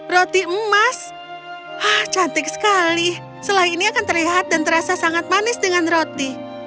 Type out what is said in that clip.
roti emas cantik sekali selai ini akan terlihat dan terasa sangat manis dengan roti